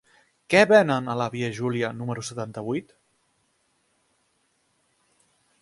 Què venen a la via Júlia número setanta-vuit?